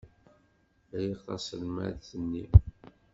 Riɣ taselmadt-nni.